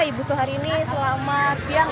ibu suharini selamat siang